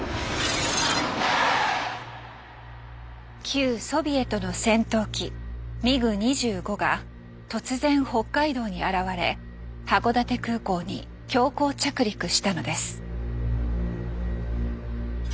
旧ソビエトの戦闘機ミグ２５が突然北海道に現れ函館空港に強行着陸したのです。